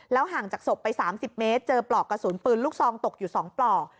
ห่างจากศพไป๓๐เมตรเจอปลอกกระสุนปืนลูกซองตกอยู่๒ปลอก